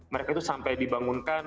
mereka itu sampai dibangunkan